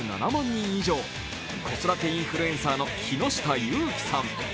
人以上子育てインフルエンサーの木下ゆーきさん。